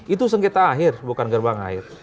itu sengketa akhir bukan gerbang akhir